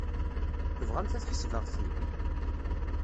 Tebɣamt ad ḥesbeɣ ti?